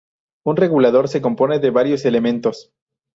Un regulador se compone de varios elementos.